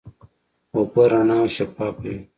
اوبه رڼا او شفافه وي.